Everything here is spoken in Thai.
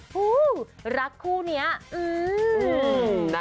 ฮู้รักคู่นี้อืม